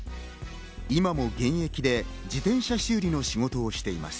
今も現役で自転車修理の仕事をしています。